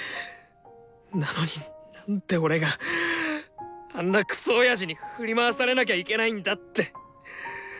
なのになんで俺があんなクソ親父に振り回されなきゃいけないんだって！